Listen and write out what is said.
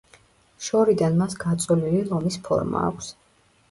შორიდან მას გაწოლილი ლომის ფორმა აქვს.